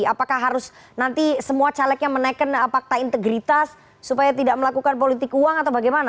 apakah harus nanti semua calegnya menaikkan fakta integritas supaya tidak melakukan politik uang atau bagaimana